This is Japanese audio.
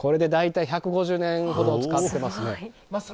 これで大体１５０年ほど使ってますね。